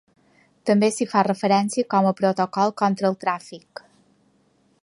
També s'hi fa referència com a Protocol contra el tràfic.